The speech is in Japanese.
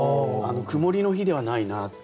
曇りの日ではないなっていう。